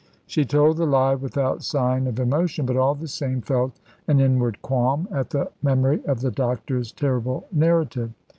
She told the lie without sign of emotion, but all the same felt an inward qualm at the memory of the doctor's terrible narrative.